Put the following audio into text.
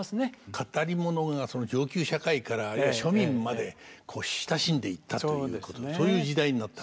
語り物が上級社会からあるいは庶民まで親しんでいったということそういう時代になったわけですか。